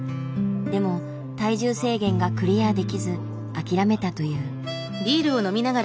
でも体重制限がクリアできず諦めたという。